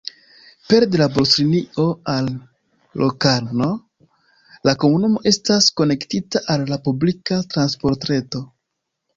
Pere de buslinio al Locarno la komunumo estas konektita al la publika transportreto.